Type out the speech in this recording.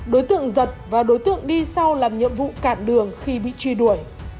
đối tượng giật và đối tượng đi sau làm nhiệm vụ cạn đường khi bị truy đuổi